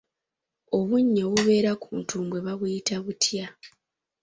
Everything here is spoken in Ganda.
Obunnya obubeera ku ntumbwe buyitibwa butya?